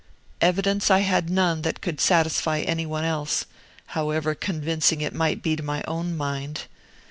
Evidence I had none that could satisfy any one else, however convincing it might be to my own mind.